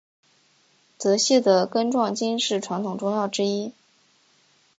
泽泻的根状茎是传统中药之一。